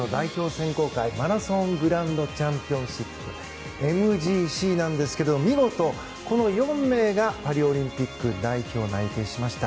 選考会マラソングランドチャンピオンシップＭＧＣなんですが見事、４名がパリオリンピック代表内定しました。